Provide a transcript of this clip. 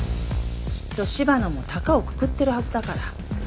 きっと柴野も高をくくってるはずだから